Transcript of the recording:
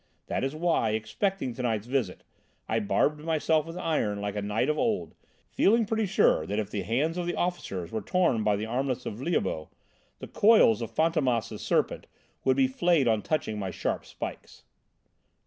That is why, expecting to night's visit, I barbed myself with iron like a knight of old, feeling pretty sure that if the hands of the officers were torn by the armlets of Liabeuf, the coils of Fantômas' serpent would be flayed on touching my sharp spikes."